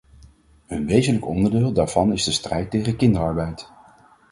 Een wezenlijk onderdeel daarvan is de strijd tegen kinderarbeid.